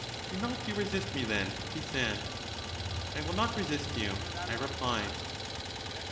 Do not you resist me then, he said. I will not resist you, I replied.